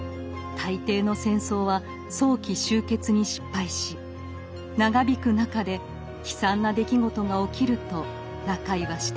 大抵の戦争は早期終結に失敗し長引く中で悲惨な出来事が起きると中井は指摘。